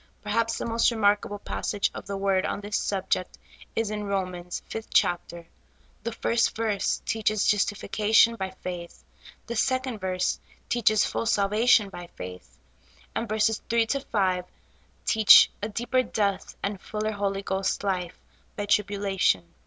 Perhaps the most remarkable passage of the Word on this subject is in Romans, fifth chapter ; the first verse teaches justification by faith, the second verse teaches full salvation by faith, and verses three to five teach a deeper death and fuller Holy Ghost life by tribulation.